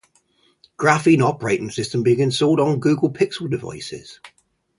Graphene Operating System can be installed on Google Pixel devices.